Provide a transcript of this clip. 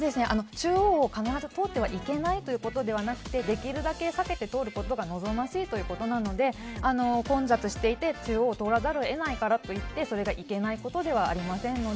中央を必ず通ってはいけないということではなくできるだけ避けて通ることが望ましいということなので混雑していて中央を通らざるを得ないからといってそれがいけないことではありませんので